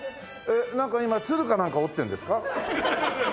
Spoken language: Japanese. なんか今鶴かなんか折ってんですか？